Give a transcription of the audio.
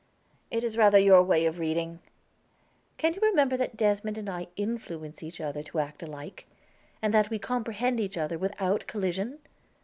"It is rather your way of reading." "Can you remember that Desmond and I influence each other to act alike? And that we comprehend each other without collision?